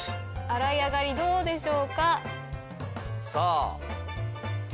洗い上がりいかがでしょうか？